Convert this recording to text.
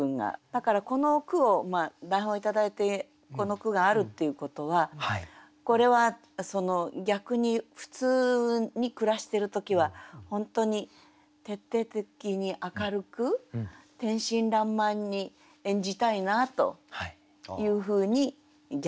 だからこの句を台本を頂いてこの句があるっていうことはこれは逆に普通に暮らしてる時は本当に徹底的に明るく天真らんまんに演じたいなというふうに逆に思いました。